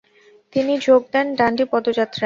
তিনি যোগ দেন ডান্ডি পদযাত্রায়।